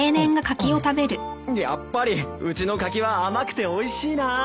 やっぱりうちの柿は甘くておいしいな。